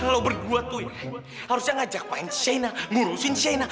lo berdua tuh ya harusnya ngajak main shaina ngurusin shaina